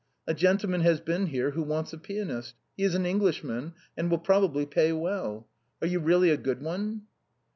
A gentleman has been here who wants a pianist; he is an Englishman, and will probably pay well. Are you really a good one